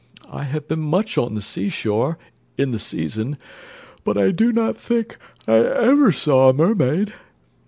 I have been much on the sea shore, in the season, but I do not think I ever saw a mermaid.